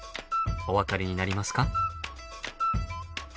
お分かりになりますか？